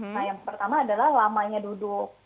nah yang pertama adalah lamanya duduk